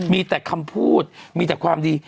มีแต่คำพูดมีแต่ความดี